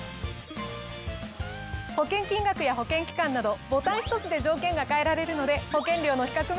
保険金額や保険期間などボタン１つで条件が変えられるので。